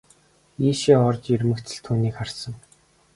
Ийшээ орж ирмэгц л түүнийг харсан.